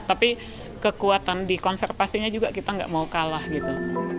tapi kekuatan di konservasinya juga kita nggak mau kalah gitu